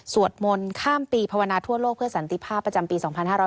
มนต์ข้ามปีภาวนาทั่วโลกเพื่อสันติภาพประจำปี๒๕๕๙